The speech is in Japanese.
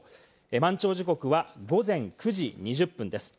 満潮時刻は午前９時２０分です。